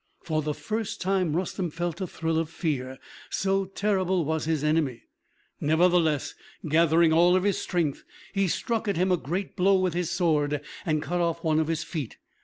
For the first time Rustem felt a thrill of fear, so terrible was his enemy. Nevertheless, gathering all his strength, he struck at him a great blow with his sword and cut off one of his feet.